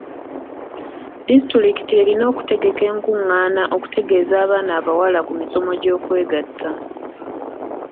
Disitulikiti erina okutegeka enkungaana okutegeeza abaana abawala ku misomo gy'okwegatta.